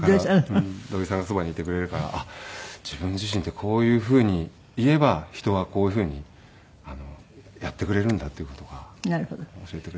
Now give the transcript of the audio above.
土井さんがそばにいてくれるから自分自身ってこういうふうに言えば人はこういうふうにやってくれるんだっていう事が教えてくれて。